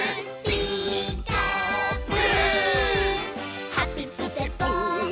「ピーカーブ！」